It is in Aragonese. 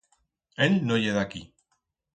Él no ye d'aquí.